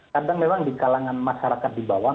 kadang memang di kalangan masyarakat di bawah